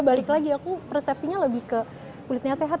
balik lagi aku persepsinya lebih ke kulitnya sehat